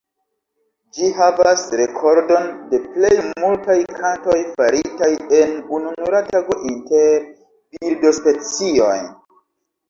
Ĝi havas rekordon de plej multaj kantoj faritaj en ununura tago inter birdospecioj.